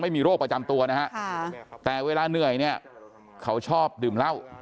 ไม่มีโรคประจำตัวนะฮะแต่เวลาเหนื่อยเนี่ยเขาชอบดื่มเหล้า